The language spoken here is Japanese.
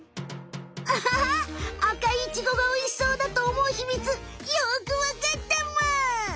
アハハッ赤いイチゴがおいしそうだとおもう秘密よくわかったむ！